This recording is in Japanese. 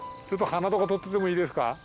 ちょっと花とか撮っててもいいですか？